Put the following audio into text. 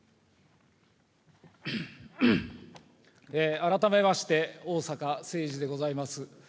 改めまして、逢坂誠二でございます。